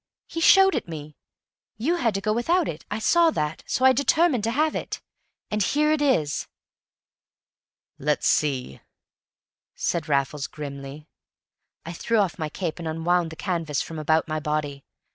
He showed it me. You had to go without it; I saw that. So I determined to have it. And here it is." "Let's see," said Raffles grimly. I threw off my cape and unwound the canvas from about my body.